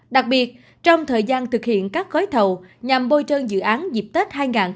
đặc biệt trong thời gian thực hiện các gói thầu nhằm bôi trơn dự án dịp tết hai nghìn hai mươi bốn